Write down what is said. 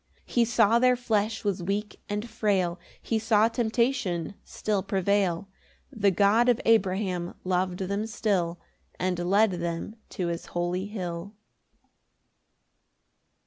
7 He saw their flesh was weak and frail, He saw temptation still prevail The God of Abraham lov'd them still, And led them to his holy hill.